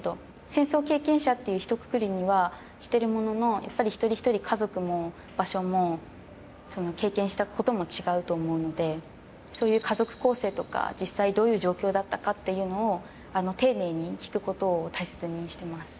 戦争経験者っていうひとくくりにはしてるもののやっぱり一人一人家族も場所も経験したことも違うと思うのでそういう家族構成とか実際どういう状況だったかっていうのを丁寧に聞くことを大切にしてます。